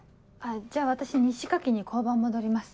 じゃあ私日誌書きに交番戻ります。